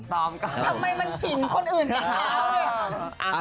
ทำไมมันผินคนอื่นเนี่ย